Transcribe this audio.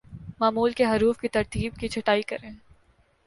معمول کے حروف کی ترتیب کی چھٹائی کریں